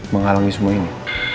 menghalangi semua ini